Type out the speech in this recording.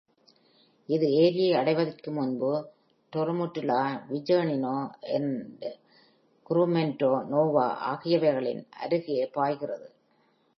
இது ஏரியை அடைவதற்கு முன்பு, Tramutola, Viggiano, and Grumento Nova ஆகியவைகளின் அருகே பாய்கிறது.